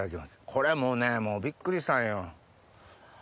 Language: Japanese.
これもうねびっくりしたんよ。